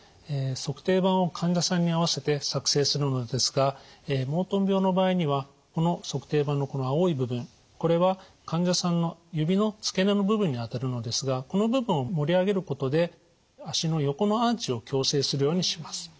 足底板を患者さんに合わせて作成するのですがモートン病の場合にはこの足底板のこの青い部分これは患者さんの指の付け根の部分にあたるのですがこの部分を盛り上げることで足の横のアーチを矯正するようにします。